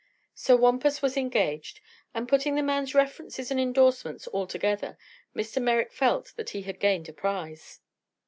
So Wampus was engaged, and putting the man's references and indorsements all together Mr. Merrick felt that he had gained a prize.